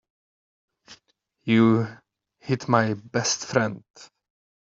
You hit my best friend.